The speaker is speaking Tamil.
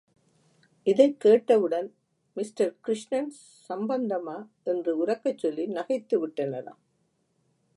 இதைக் கேட்டவுடன் மிஸ்டர் கிருஷ்ணன் சம்பந்தமா! என்று உரக்கச் சொல்லி நகைத்துவிட்டனராம்.